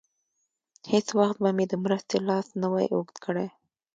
هېڅ وخت به مې د مرستې لاس نه وای اوږد کړی.